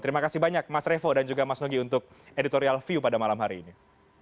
terima kasih banyak mas revo dan juga mas nugi untuk editorial view pada malam hari ini